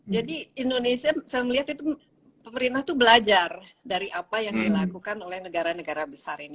jadi indonesia saya melihat itu pemerintah itu belajar dari apa yang dilakukan oleh negara negara besar ini